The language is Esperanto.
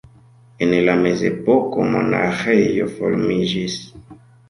En la mezepoko monaĥejo formiĝis.